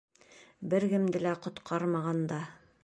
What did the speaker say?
Бер кемде лә ҡотҡармаған да.